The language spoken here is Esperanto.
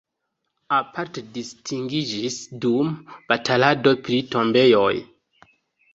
Aparte distingiĝis dum batalado pri tombejoj.